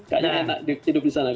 kayaknya enak hidup di sana